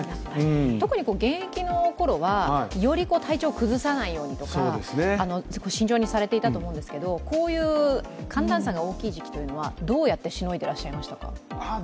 特に現役の頃はより体調を崩さないようにとか慎重にされていたと思いますがこういう寒暖差が大きい時季というのはどうやってしのいでいらっしゃいましたか？